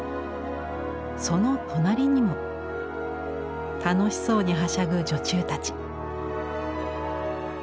その隣にも楽しそうにはしゃぐ女中たち。